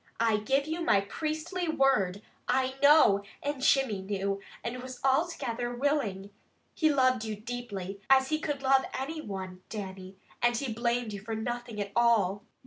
"I give you my priestly word, I know, and Jimmy knew, and was altogether willing. He loved you deeply, as he could love any one, Dannie, and he blamed you for nothing at all.